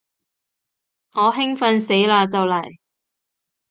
我興奮死嘞就嚟